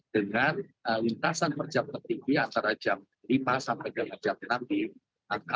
dengan lintasan per jam tertibia antara jam lima sampai jam enam di angka empat tiga ratus lima belas